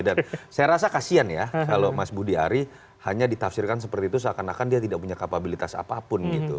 dan saya rasa kasian ya kalau mas budi ari hanya ditafsirkan seperti itu seakan akan dia tidak punya kapabilitas apapun gitu